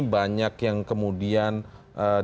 banyak yang kemudian dijatuhi vonisial